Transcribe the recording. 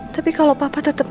kamu harus bisa sadar